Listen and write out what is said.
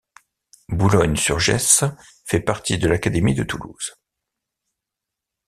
Boulogne-sur-Gesse fait partie de l'académie de Toulouse.